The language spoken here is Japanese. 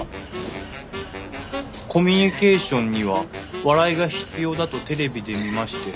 「コミュニケーションには笑いが必要だとテレビで見まして。